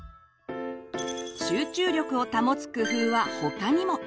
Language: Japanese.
集中力を保つ工夫は他にも。